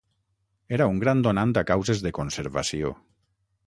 Era un gran donant a causes de conservació.